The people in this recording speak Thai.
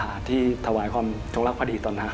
ปลาที่ถวายความทรงลักษณ์พอดีต่อน้ำ